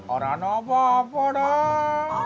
ada ada apa apa dong